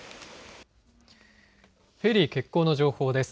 フェリー欠航の情報です。